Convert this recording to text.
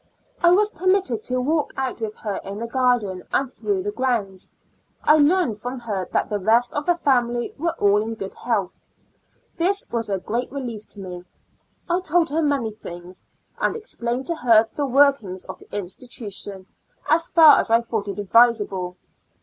I was permitted to walk out with her in the garden and through the grounds, I learned from her that the rest of the fami ly were all in good health. This was a great relief to me. I told her many things, and explained to her the workings of the institution, as far as I thought it advisible.